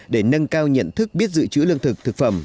để nâng cao nhận thức biết giữ chữ lương thực thực phẩm